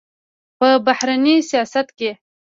په بهرني سیاست کې